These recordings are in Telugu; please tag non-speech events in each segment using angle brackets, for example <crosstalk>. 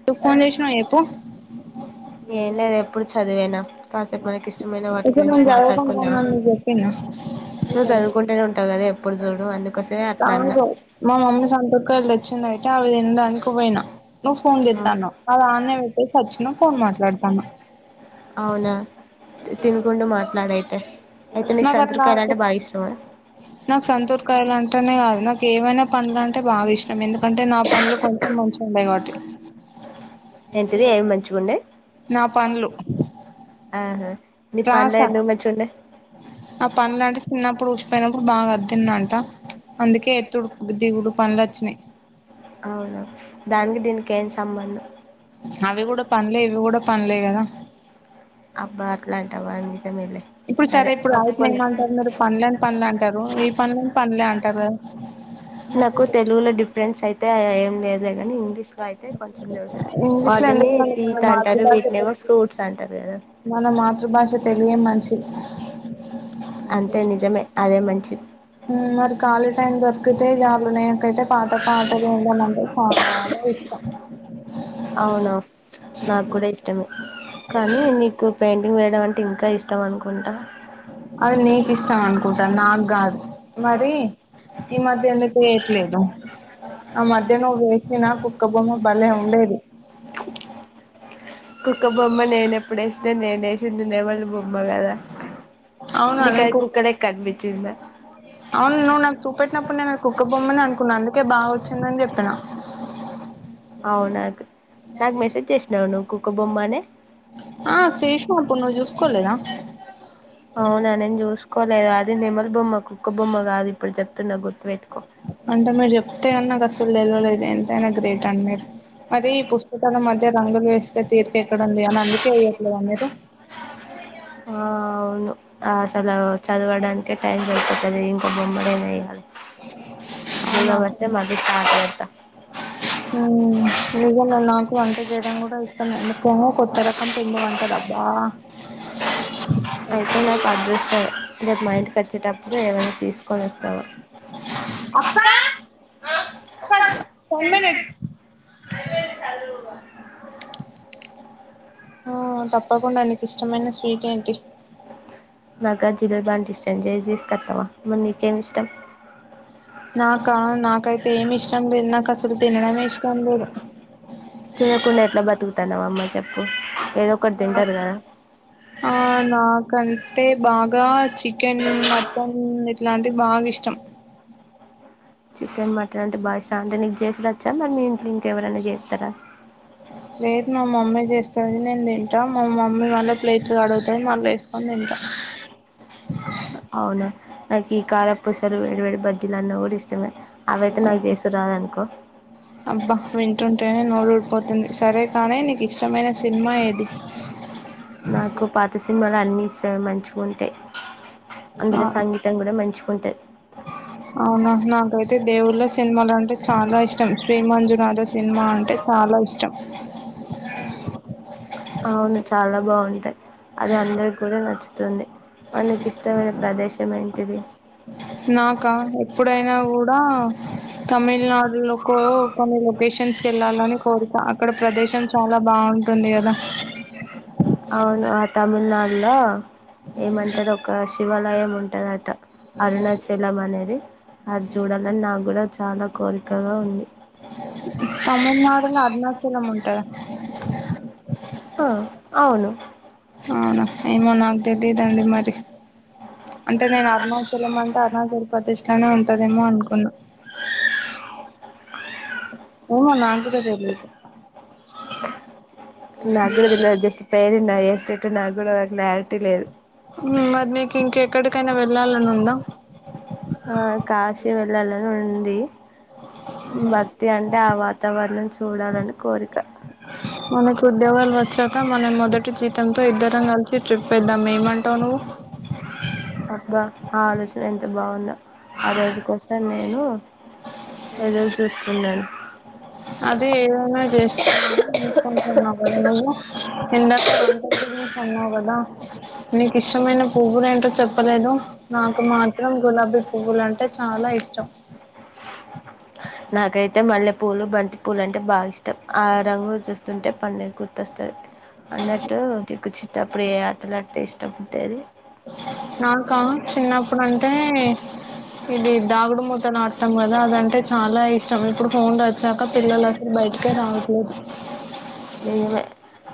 ఎందుకు ఫోన్ చేసినావు చెప్పు ఏం లేదు ఎప్పుడు చదివేనా కాసేపు మనకి ఇష్టమైన వాటి గురించి మాట్లాడుకుందాము. అవున నువ్వు చదువుకుంటేనే ఉంటావు కదా ఎప్పుడు చూడు అ కాదు మా మమ్మీ సంతుర కాయలు తేచ్చిందయితే అవి తినడానికి పోయినా నువ్వు ఫోన్ చెత్తానవు అవి అన్నే పెట్టేసి వచ్చిన ఫోన్ మాట్లాడ అ అవునా తినుకుంటూ మాట్లాడైతే అయితే నీకు నాకు సంతకాలు అంటే బాగా ఇష్టమా అట్లా సంతురా కాయలు అంటనే కాదు నాకు ఏమైనా పండ్లు అంటే బాగా ఇష్టం ఎందుకంటే నా పండ్లు కొంచెం మంచి ఉండయి కాబట్టి ఏంటిది ఏమి మంచిగా ఉండయీ నా పండ్లు ఆహా నీ పండ్లు రాసా ఎందుకు మంచిగా ఉండాయి. ఆ పండ్లు అంటే చిన్నప్పుడు ఊసిపోయినప్పుడు బాగా అద్దిన్దంట. అందుకే ఎత్తుడుకు దిగుడు పండ్లచ్చినయ్. అవునా దానికి దీనికి ఏం సంబంధం. అవి కూడా పన్లే ఇవి కూడా పన్లే కదా. అబ్బా అట్లాంటివన్న ఇప్పుడు సరే ఇప్పుడు అయితే ఏమంటారు మీరు పనులేని పనులే అంటారు ఈ పనులని పనులే అంటారు కదా. నాకు తెలుగులో డిఫరెన్స్ అయితే ఏం లేదు కాని అయితే కొంచెం తెలుసం ఇంగ్లీష్ లో వాటిని ఎందుకులేండి మన టీత్ అంటారు. మాతృభాష వీటినిమో ఫ్రూట్స్ అంటారు కదా. మన మాతృభాష తెలుగే మంచిది అంతే నిజమే అదే మంచిది. ఉమ్ మరి ఖాళీ టైమ్. దొరికితే చాలు నాకైతే పాత పాటలు వినాలంటే నాకు చాలా ఇష్టం. అవునా నాకు కూడా ఇష్టమే కానీ నీకు పెయింటింగ్ వేయడం అంటే ఇంకా ఇష్టం అనుకుంటా. అది నీకు ఇష్టం అనుకుంటా నాకు కాదు మరి ఈ మధ్య ఎందుకు వేయట్లేదు. ఆ మధ్య నువ్వు వేసిన కుక్కబొమ్మ బలే ఉండే స కుక్క బొమ్మ నేను ఎప్పుడేసిన నేనే వేసింది నేమలి బొమ్మ కదా. అవును అదే ఇకాది కుక్కలెక్క కనిపించిందా. అవును నువ్వు నాకు చూపేట్టినప్పుడు నేను అది కుక్కబొమ్మనే అనుకున్నా అందుకే బాగ వచ్చిందని చెప్పిన అవు నాకు మెసేజ్ చేసినావు నువ్వు కుక్క బొమ్మనే ఆ చేసినా అప్పుడు నువ్వు చూసుకోలేదా అవునా నేను జస్ అది నెమలి బొమ్మ కుక్క బొమ్మ కాదు ఇప్పుడు చెప్తున్న గుర్తుపెట్టుకో అంటే మీరు చెప్తే నాకు అసలు తెలియలేదు ఎంతైనా గ్రేట్ అండి మీరు మరి ఈ పుస్తకాల మధ్య రంగులు వేస్తే తీరిక ఎక్కడుంది అని అందుకే వేయట్లేదా మీరు ఆ అవును ఆసల చలవ దానికే టైం జరిపోతుది ఇంకా బొమ్మడినాయ్యాల అవునా స్టార్ట్ చేస్తా నాకు వంట చేయడం కూడా ఇష్టమే ముఖ్యంగా కొత్త రకం పిండి వంటారు అబ్బా అయితే నాకు రేపు మా ఇంటికి వచ్చేటప్పుడు ఏమైనా తీసుకొని వస్తావా తన్మని ఆ తప్పకుండా నీకు ఇష్టమైన స్వీట్ ఏంటి నాకు ఆది చూడటానికి ఇష్టం లేదు దయచేసి కట్టవ మరి నీకేమి ఇష్టం నాకా నాకైతే ఏమి ఇష్టం లేదు నాకు అసలు తినడమే ఇష్టం లేదు తినకుండా ఎట్లా బతుకుతున్నావ్ అమ్మా చెప్ప ఆ నా కనీ అంటే బాగా చికెన్ మటన్ ఇట్లాంటి బాగా ఇష్టం చికెన్ మటన్ అంటే బాగా అంటే నీకు చేసడ వచ్చా మరి మీ ఇట్లో ఇంకెవరనా చేస్తారా లేదు మా మమ్మీ చేస్తంది నేను మా మమ్మీ మళ్ళీ ప్లేస్ అడుగుతాయి మళ్ళీ వేసుకొని తింటా అవునా నాకు ఈ కారపూసలు వేడి వేడి బజ్జీలు అన్న కూడా ఇష్టమే అవయితే నాకు చేసేది రాదు అనుకో అబ్బా వింటుంటేనే సరే కానీ నీకు ఇష్టమైన సినిమా ఏది నాకు పాత సినిమాలు అన్నీ ఇష్టమే మంచిగా ఉంటాయి ఆ అందులో సంగీతం కూడా మంచుకుంటది అవునా నాకైతే దేవుళ్ళ సినిమాలుంటే చాలా ఇష్టం శ్రీ మంజునాథ సినిమా అంటే చాలా ఇష్టం అవును చాలా బాగుంటాయి అది అందరి కూడా నచ్చుతుంది నీకీ ఇష్టమైన ప్రదేశం ఏంటిది నాకా ఎప్పుడైనా కూడా తమిళనాడు లో కొన్ని లొకేషన్స్కి వెళ్ళాలని కోరిక అక్కడ ప్రదేశం చాలా బాగు ఉంటంది కదా అవును ఆ తమిళనాడులో ఏమంటది ఒక శివాలయం ఉంటందట అరుణాచలం అనేది అది చూడాలని నా కూడా చాలా కోరికగా ఉంది తమిళనాడులో అరుణాచలం ఉంటద ఆ అవును అవునా ఏమో నాకు తెలిదండి మరి అంటే నేను అరుణాచలం అంటే అరుణాచల్ ప్రదేశ్ లో ఉంటదేమో అనుకున్నా ఏమో నాకు కూడా తెలీదు నాకు కూడా తెల్వదు జస్ట్ పేరు విన్న ఏ స్టేట్ నాకు కూడా క్లారిటీ లేదు హ్మ్. మరి నీకు ఇంకెక్కడికైనా వెళ్ళాలని ఉందా ఆ కాశీ వెల్లలని ఉంది భక్తి అంటే ఆ వాతావరణం చూడాలని కోరిక మనకి ఉద్యోగాలు వచ్చాక మనం మొదటి జీతంతో ఇద్దర కలిసి ట్రిప్ పెద్దాం ఏమంటావు నువ్వు అబ్బా ఆ ఆలోచన ఎంత బాగుంద ఆ రోజు కోసం నేను ఎదురు చూస్తున్నాను అదే ఏదైనా చేస్తామని ఎందాకంట అన్నావు కదా నీకు ఇష్టమైన పువ్వులు ఏంటో చెప్పలేదు నాకు మాత్రం గులాబీ పువ్వులు అంటే చాలా ఇష్టం నాకైతే మల్లె పూలు బంతి పూలు అంటే బాగా ఇష్ట ఆ రంగు చూస్తుంటే పన్నెను గుర్తొస్తుంది అన్నట్టు తిక్కు చిత్త ప్రియ ఆటలుట్టే ఇష్ట పుట్టేది నాకా చిన్నప్పుడు అంటే ఇది దాగుడుమూత అంటే చాలా ఇష్టం ఇప్పుడు ఫోన్లు వచ్చాక పిల్లలు అసలు బయటకే రావ <unintelligible>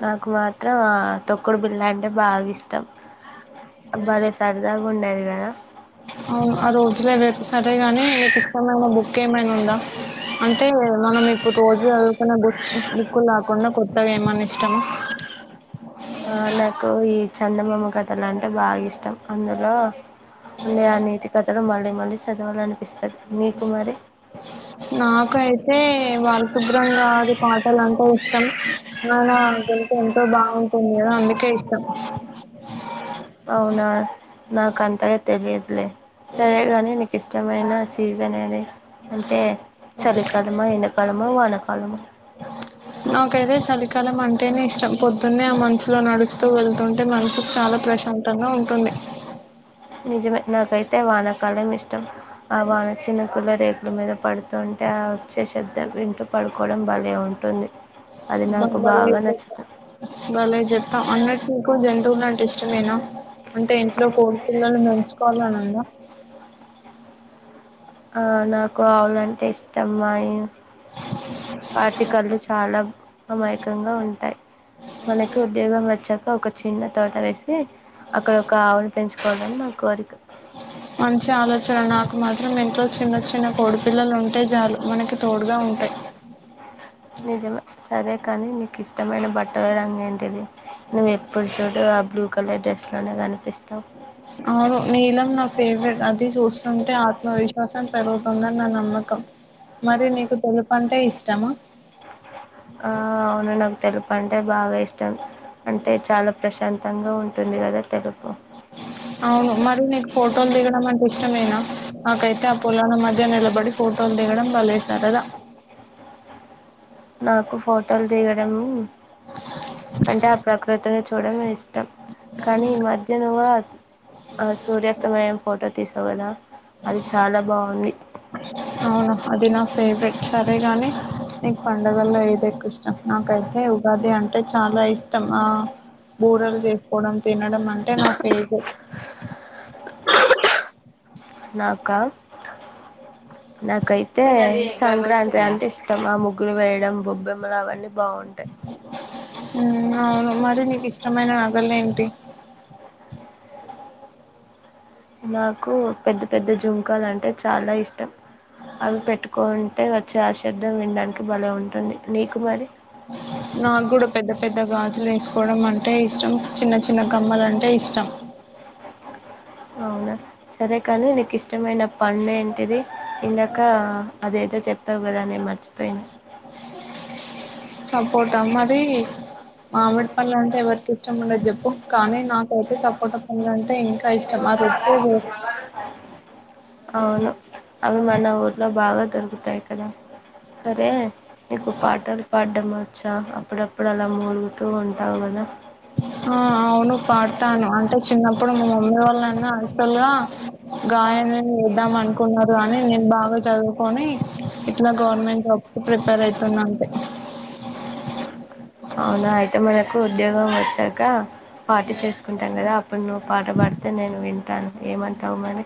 నాకు మాత్రం ఆ తొక్కుడు బిల్ల అంటే బాగా ఇష్టం బలె సరదాగా ఉండేది కదా అవును ఆ రోజులే వేపు సరే గాని రేపి ఇష్టమనా బుక్ ఏమైనా ఉందా అంటే మనం ఇప్పుడు రోజు చదుతున్న బుక్ బుక్కు రాకుండా కొత్తవేమని ఇష్టమా ఆ నాకు ఈ చందమామ కథలు అంటే బాగా ఇష్టం అందులో ఉండే ఆ నీతికతలు మళ్ళీ మళ్ళీ చదవాలని నాకయితే వాళ్ళతో శుభ్రంగాది పాటలు అంతా వస్తాను అవునా అందుక ఎంతో బాగుంటుంది అ అందుకే ఇష్టం అవునా నాకు అంతగా తెలియదులే సరేగాని నకు ఇష్టమైన సీజ అనేది అంటే చలి కాలమా ఎన్న కాలమా వనకు నాకైతే చలికాలం అంటేనే ఇష్టం పొద్దున్నే ఆ మంచులో నడుస్తూ వెళ్తుంట అంటే మనసు చాలా ప్రశాంతంగా ఉంటుంది నిజమే నాకైతే వానకాలం ఇష్టం ఆ వాన చినకుల రేకుల మీద పడుతుంది ఇంట వచ్చే శబ్ద్దం ఇంటూ పడుకోవడం బలే ఉంటుంది అది నాకు బల బాగా చెప్ప నచ్చుతుంది బలే చెప్పా అన్నకు జం ఎన్నంటే ఇష్టమేనా అంటే ఇంట్లో కోడి పిల్లలు పెంచ్చుకోవాలనన్నా ఆ నాకు ఆవులంటే ఇష్టమ్మాయి ఆటికల్లు చాలా అమయకంగా ఉంటాయి మనకి ఉద్యోగం వచ్చ ఒక చిన్న తోట వేసింది అక్కడ ఒక ఆవును పెంచుకోవాలని నా కోరిక మంచి ఆలోచన నాకు మాత్రం ఇంట్లో చిన్న చిన్న కోడి పిల్లలు ఉంటే చాలు మనకి తోడుగా ఉంటాయి సరే కానీ నీకు ఇష్టమైన బట్టల రంగ ఏంటిది నువ్వు ఎప్పుడు చూడు ఆ బ్లూ కలర్ డ్రెస్ లోనే కనిపిస్తా అవును నీలం నా ఫేవరెట్ అది చూస్తుంటే ఆత్మవిశ్వాసాం రూపంన్న నమ్మకం మరి నీకు తెలుపు అంటే ఇష్టము అవును నాకు తెలుపు అంటే బాగా ఇష్టం అంటే చాలా ప్రశాంతంగా ఉంటుంది కదా తెలుపు అవును మరి నీకు ఫోటోలు దిగడం అంటే ఇష్టమేనా నాకైతే ఆ పొలాల మధ్య ఇదే మల బడి ఫోటో అ తేగడం బలస్తారదా నాకు ఫోటోలు దిగడంము కంటే ఆ ప్రకృతిని చూడడం ఇష్టం కానీ ఈ మధ్య నువ్వు ఆ సూర్యాస్తమ ఫోటో తీసావు కదా అది చాలా బాగుంది అవును అది నా ఫేవరెట్ సరే గాని నీకు పండుగల్లో ఏది ఎక్కువ ఇ నాకైతే ఉగాది అంట అంటే చాలా ఇష్టం ఆ బూడలు చేసుకోవడం తినడం అంటే నా ఫేవరెట్ నాకా నాకైతే సంక్రాంతి అంటే ఉత్తమ ముగ్గులు వేయడం బొబ్బెమ్మలు అవన్నీ బాగుంటాయి ఉమ్, అవును మరి ఇష్టమైన నగలు ఏంటి నాకు పెద్ద పెద్ద జుంకాలు అంటే చాలా ఇష్టం అవి పెట్టుకుంటే వచ్చే శబ్దం వినడానికి బల ఉంటుంది నీకు మరి నాకు కూడా పెద్ద పెద్ద గాజులు వేసు పోవడం అంటే ఇష్టం చిన్న చిన్న కమ్మలు అంటే ఇష్టం అవునా సరే కాని నీకు ఇష్టమైన పండు ఏంటిది ఇందాక అదేదో చెప్పావు కదా నేను మర్చిపోయిను సపోట మధి మామిడి పండ్లు అంటే ఎవరికి ఇష్టం ఉండ చెప్పు కానీ నాకైతే సపోట పండ్లు అంటే ఇంకా ఇష్టం అది అ అవును అవి మన ఊర్లో బాగా దొరుకుతాయి కదా సరే నీకు పాటలు పాడడం వచ్చా అప్పుడప్పుడు అలా మూలుగుతూ ఉంటావు కదా ఆ అవును పాడతాను అంటే చిన్నప్పుడు మా మమ్మీ వాళ్ళన్నా అసలుగా గాయని చేద్దాం అనుకున్నారు కున్నారు కాని నేను బాగా చదువుకొని ఇట్లా గవర్నమెంట్ జాబ్ ప్రిపేర్ అవుతుంది అంటే అవునా అయితే మనకు ఉద్యోగం వచ్చాక పార్టీ చేసుకుంటాం కదా అప్పుడు నువ్వు పాట పాడితే నేను వింటాను ఏమంటావు మరి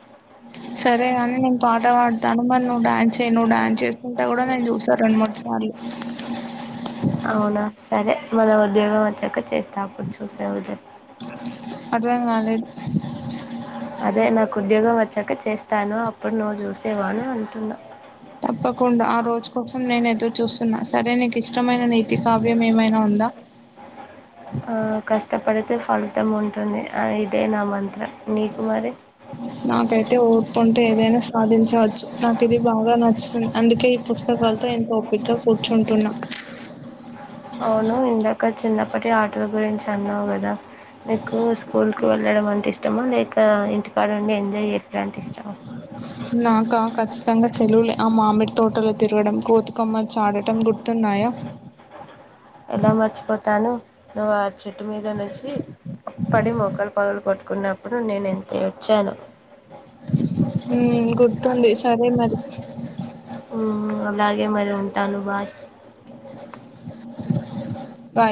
సరేగాని నేను పాఠ పాడతాను మరి నువ్ డాన్స్ సేను్ డాన్స్ చేసుకుంటే కూడా నేను చూసను రెండు మూడు సార్లు అవునా సరే మనం ఉద్యోగం వచ్చాక చేస్తా అప్పుడు చూసేవుదే అర్థం కాలేదు అదే నాకు ఉద్యోగం వచ్చాక చేస్తాను అప్పుడు నువ్వు చూసేవాని అంటున్నా తప్పకుండా ఆ రోజు కోసం నేను ఎదురు చూస్తున్నా సరే నీకు ఇష్టమైన నీతి కావ్యం ఏమైనా ఉ దా ఆ కష్టపడితే ఫలితం ఉంటుంది ఆ ఇదే నా మంత నీకు మరి నాకైతే ఊర్కుంటే ఏదైనా సాధించవచ్చు నాకు ఇది బాగా నచ్చుం అందుకే ఈ పుస్తకాలతో ఎంత ఓపిక్గా కూర్చుంటున్నా అవును ఇందాక చిన్నప్పటి ఆటల గురించి అన్నావు కదా మీకు స్కూల్కి వెళ్ళడం అంటే ఇష్టము లేక ఇంటి కాడండి ఎంజాయ్ చేసడం అంటే ఇష్టము నాకా ఖచ్చితంగా చెలువులు ఆ మామిడి తోటలో తిరగడం కోతుకమ్మ చ ఆడటం గుర్తు నాగాయక్ ఎలా మర్చిపోతాను నువ్వు చెట్టు మీద నుంచి పడి మొకాలు పగల కొట్టుకున్నప్పుడు నేను ఎంత ఏడ్చాను హ గుర్తుంది సరే మరి అలాగే మరి ఉంటాను బాయ్